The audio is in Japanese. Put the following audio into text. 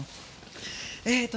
えっとね